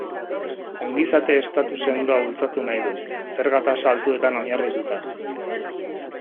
Ongizate-estatu sendoa bultzatu nahi du, zerga tasa altuetan oinarrituta.